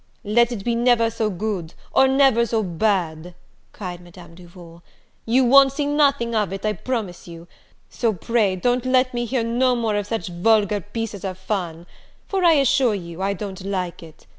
"Let it be never so good, or never so bad," cried Madame Duval, "you won't see nothing of it, I promise you; so pray don't let me hear no more of such vulgar pieces of fun; for, I assure you, I don't like it.